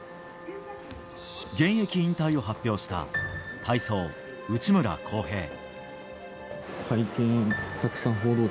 現役引退を発表した体操、内村航平。